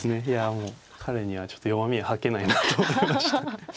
もう彼にはちょっと弱み吐けないなと思いましたね。